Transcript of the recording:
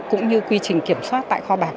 cũng như quy trình kiểm soát tại kho bạc